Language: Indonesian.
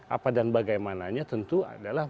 apa dan bagaimananya tentu adalah